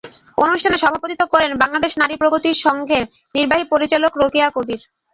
অনুষ্ঠানে সভাপতিত্ব করেন বাংলাদেশ নারী প্রগতি সংঘের নির্বাহী পরিচালক রোকেয়া কবীর।